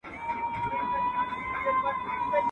په قهر ورکتلي له لومړۍ ورځي اسمان.